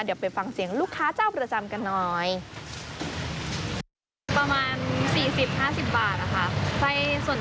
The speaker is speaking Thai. เดี๋ยวไปฟังเสียงลูกค้าเจ้าประจำกันหน่อยประมาณสี่สิบห้าสิบบาทนะคะ